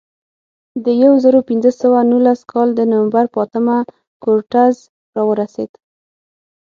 د یو زرو پینځه سوه نولس کال د نومبر په اتمه کورټز راورسېد.